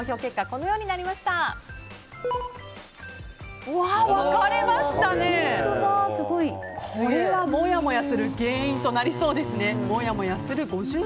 これは、もやもやする原因となりそうですね。